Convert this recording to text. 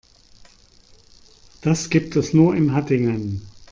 Das gibt es nur in Hattingen